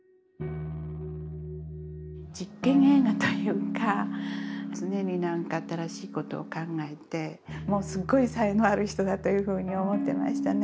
実験映画というか常に何か新しい事を考えてすごい才能ある人だというふうに思ってましたね。